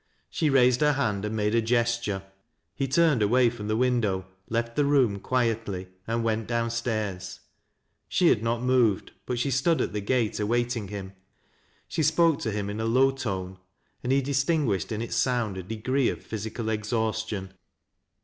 She raised her hand and made a gesture. He turned away from the window, left the rooni quietly, and went down stairs. She had not moved, but Btood at the gate awaiting him. She spoke to him in a low tone, and he distinguished in its sound a degree oJ physical exhaustion.